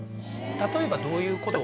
例えばどういうことを？